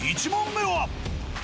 １問目は⁉